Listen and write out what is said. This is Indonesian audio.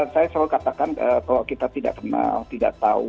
saya selalu katakan kalau kita tidak kenal tidak tahu